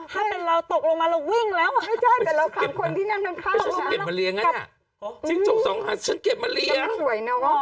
ถ้าเป็นเราตกลงมาเราวิ่งเรา